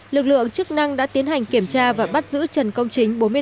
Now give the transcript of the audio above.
lực lượng chức năng đã tiến hành kiểm tra và bắt giữ trần công chính bốn mươi tuổi